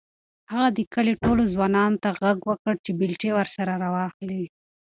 هغه د کلي ټولو ځوانانو ته غږ وکړ چې بیلچې ورسره راواخلي.